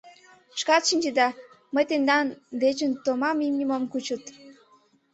— Шкат шинчеда, мый тендан дечын томам имньым ом кучылт.